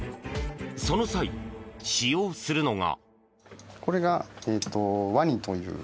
その際、使用するのが。